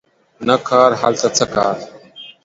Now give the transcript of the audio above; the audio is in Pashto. نه کار هلته څه کار